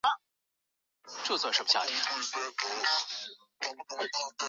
人格面具是驾驭心灵而得到的力量。